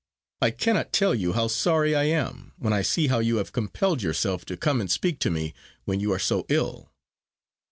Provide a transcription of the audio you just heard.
I cannot tell you how sorry I am, when I see how you have compelled yourself to come and speak to me when you are so ill."